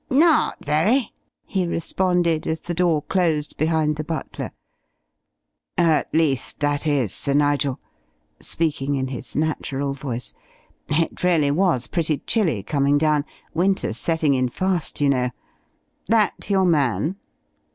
"Not very," he responded, as the door closed behind the butler. "At least that is, Sir Nigel," speaking in his natural voice "it really was pretty chilly coming down. Winter's setting in fast, you know. That your man?"